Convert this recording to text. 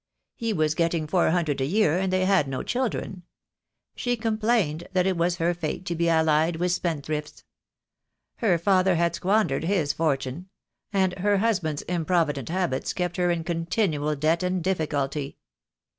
He was getting four hundred a year, and they had no children. She complained that it was her fate to be allied with spendthrifts. Her father had squandered his fortune; and her husband's im provident habits kept her in continual debt and difficulty.